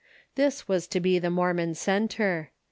This Avas to be the Mormon centre.